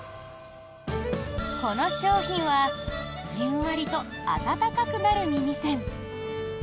この商品はじんわりと温かくなる耳栓。